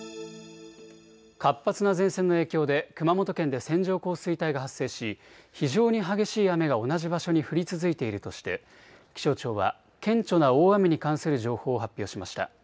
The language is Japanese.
活発な前線の影響で熊本県で線状降水帯が発生し非常に激しい雨が同じ場所に降り続いているとして気象庁は顕著な大雨に関する情報を発表しました。